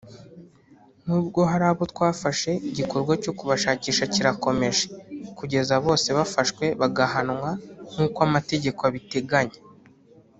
nubwo hari abo twafashe igikorwa cyo kubashakisha kirakomeje kugeza bose bafashwe bagahanwa nk’uko amategeko abiteganya”